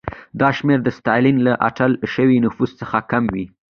دا شمېر د ستالین له اټکل شوي نفوس څخه کم و.